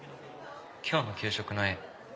今日の給食の絵。